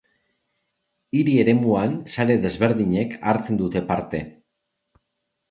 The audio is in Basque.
Hiri-eremuan sare desberdinek hartzen dute parte.